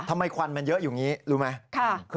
ควันมันเยอะอยู่อย่างนี้รู้ไหม